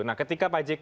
nah ketika pak jk